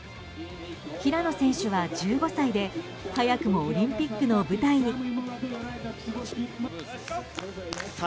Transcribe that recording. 平野選手は１５歳で早くもオリンピックの舞台に。